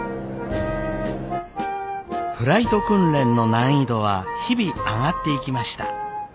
フライト訓練の難易度は日々上がっていきました。